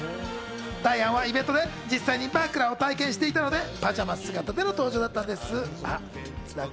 ダイアンはイベントで実際に枕を体験していたのでパジャマ姿での登場だったんです。